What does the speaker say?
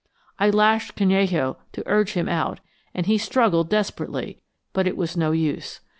I lashed Canello to urge him out, and he struggled desperately, but it was no use.